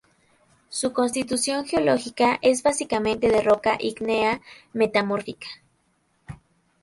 Su constitución geológica es básicamente de roca ígnea metamórfica.